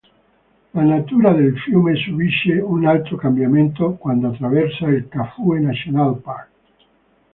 La natura del fiume subisce un altro cambiamento quando attraversa il Kafue National Park.